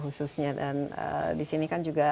khususnya dan di sini kan juga